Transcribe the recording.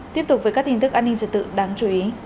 tiếp tục với các tin tức an ninh trật tự đáng chú ý